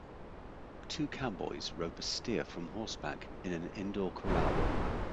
Two cowboys rope a steer from horseback in an indoor corral.